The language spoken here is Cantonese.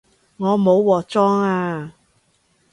我冇鑊裝吖